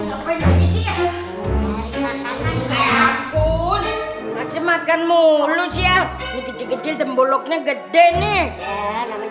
ayo kejar kejar makan mulu siap kecil temboloknya gede nih